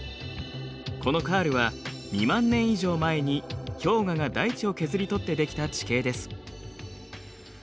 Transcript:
このカールは２万年以上前に氷河が大地を削り取って出来た地形です。